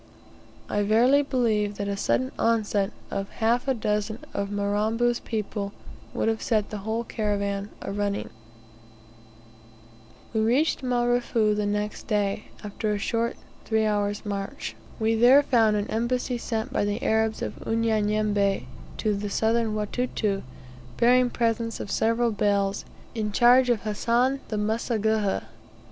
I verily believe that a sudden onset of half a dozen of Mirambo's people would have set the whole caravan arunning. We reached Marefu the next day, after a short three hours' march. We there found an embassy sent by the Arabs of Unyanyembe, to the Southern Watuta, bearing presents of several bales, in charge of Hassan the Mseguhha.